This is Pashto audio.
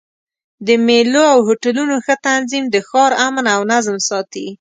د مېلو او هوټلونو ښه تنظیم د ښار امن او نظم ساتي.